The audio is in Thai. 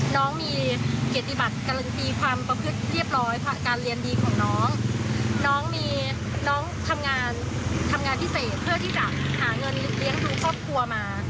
น้องมีน้องทำงานทำงานพิเศษเพื่อที่จะหาเงินเลี้ยงรู้ครอบครัวมา